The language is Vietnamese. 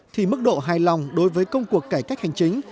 thì mức độ hài lòng đối với công cuộc cải cách hành chính